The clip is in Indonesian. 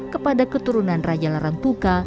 kepada keturunan raja larang tuka